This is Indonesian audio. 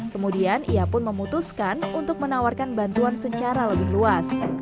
kemudian ia pun memutuskan untuk menawarkan bantuan secara lebih luas